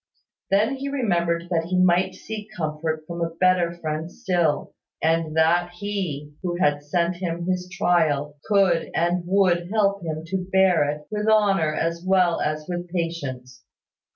Then he remembered that he might seek comfort from a better Friend still; and that He who had sent him his trial could and would help him to bear it with honour as well as with patience.